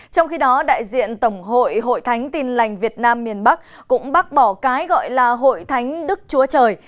trong khi đó đại diện tổng hội hội thánh tin lành việt nam miền bắc cũng bác bỏ cái gọi là hội thánh đức chúa trời